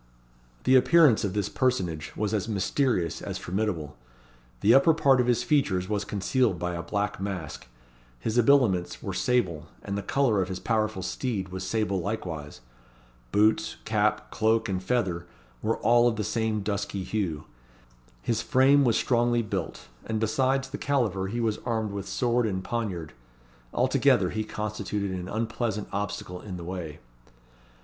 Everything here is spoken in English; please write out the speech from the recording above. The appearance of this personage was as mysterious as formidable. The upper part of his features was concealed by a black mask. His habiliments were sable; and the colour of his powerful steed was sable likewise. Boots, cap, cloak, and feather, were all of the same dusky hue. His frame was strongly built, and besides the caliver he was armed with sword and poniard. Altogether, he constituted an unpleasant obstacle in the way.